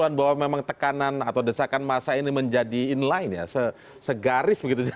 nanti kita akan mulai lebih lanjut